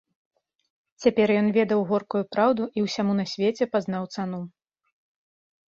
Цяпер ён ведаў горкую праўду і ўсяму на свеце пазнаў цану.